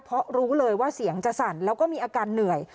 เพราะรู้เลยว่าเสียงจะสั่นแล้วก็มีอาการเหนื่อย